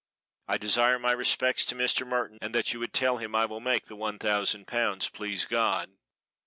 I desire my respects to Mr. Merton and that you would tell him I will make the one thousand pounds, please God.